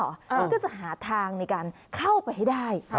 มันก็จะหาทางในการเข้าไปให้ได้